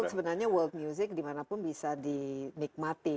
jadi world music dimanapun bisa dinikmati